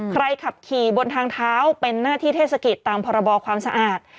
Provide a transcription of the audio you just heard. ขับขี่บนทางเท้าเป็นหน้าที่เทศกิจตามพรบความสะอาด